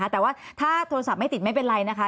แต่ว่าถ้าโทรศัพท์ไม่ติดไม่เป็นไรนะคะ